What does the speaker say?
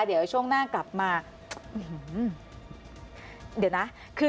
เดี๋ยวช่วงหน้ากลับมา